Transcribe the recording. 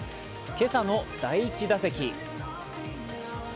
今朝の第１打席。